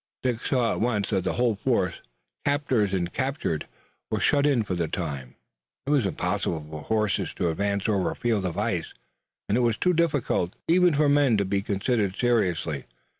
Dick saw at once that the whole force, captors and captured, was shut in for the time. It was impossible for horses to advance over a field of ice, and it was too difficult even for men to be considered seriously.